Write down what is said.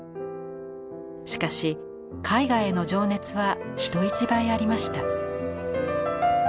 しかし絵画への情熱は人一倍ありました。